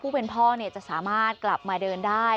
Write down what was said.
พ่อจะสามารถกลับมาเดินได้